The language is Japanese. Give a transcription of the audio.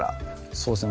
そうですね